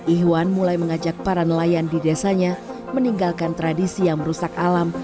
ihwan mulai mengajak para nelayan di desanya meninggalkan tradisi yang merusak alam